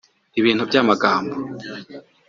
ibintu by’amagambo